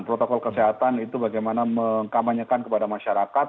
protokol kesehatan itu bagaimana mengkampanyekan kepada masyarakat